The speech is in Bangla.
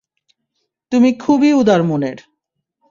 তুমি খুবই উদার মনের।